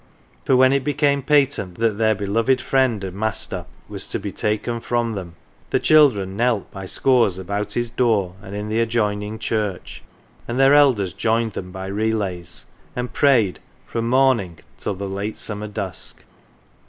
For when it became patent that their beloved friend and master was to be taken from them, the children knelt by scores about his door and in the adjoining church, and their elders joined them by relays, and prayed from morning till the late summer dusk.